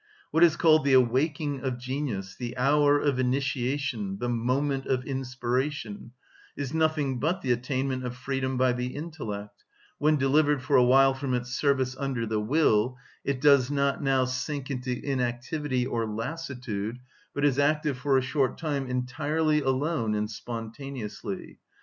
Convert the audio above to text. What is called the awaking of genius, the hour of initiation, the moment of inspiration, is nothing but the attainment of freedom by the intellect, when, delivered for a while from its service under the will, it does not now sink into inactivity or lassitude, but is active for a short time entirely alone and spontaneously.